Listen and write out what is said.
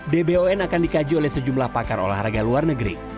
dbon akan dikaji oleh sejumlah pakar olahraga luar negeri